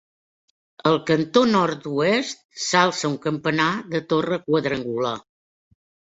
Al cantó nord-oest s'alça un campanar de torre quadrangular.